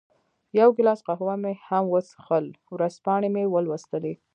یو ګیلاس قهوه مې هم وڅېښل، ورځپاڼې مې ولوستې.